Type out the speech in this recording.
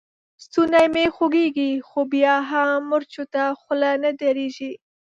ستونی مې خوږېږي؛ خو بيا مې هم مرچو ته خوله نه درېږي.